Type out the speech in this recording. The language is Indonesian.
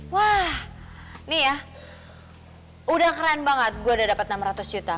wah ini ya udah keren banget gue udah dapat enam ratus juta